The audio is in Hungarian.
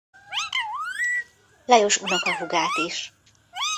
Lajos unokahúgát is.